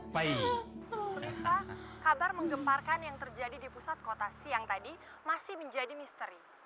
kabar menggemparkan yang terjadi di pusat kota siang tadi masih menjadi misteri